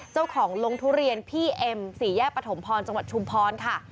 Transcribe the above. เจ้าของลงทุเรียนพี่เอ็มสี่แยกปฐมพรจังหวัดชุมพรค่ะ